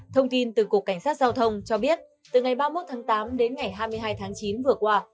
thông tin từ cục cảnh sát giao thông cho biết từ ngày ba mươi một tháng tám đến ngày hai mươi hai tháng chín vừa qua